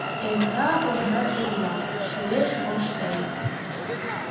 Эрта уржа-сорла, шуэш ош теле.